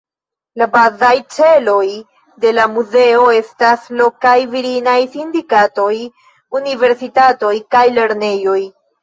La bazaj celoj de la muzeo estas lokaj virinaj sindikatoj, universitatoj kaj lernejoj.